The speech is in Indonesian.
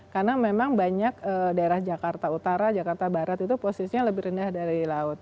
karena memang banyak daerah jakarta utara jakarta barat itu posisinya lebih rendah dari laut